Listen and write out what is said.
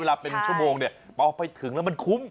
เวลาเป็นชั่วโมงเนี่ยพอไปถึงแล้วมันคุ้ม